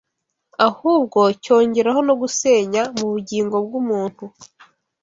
ahubwo cyongeraho no gusenya mu bugingo bw’umuntu